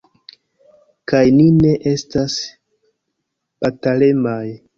Kaj ni ne estas batalemaj.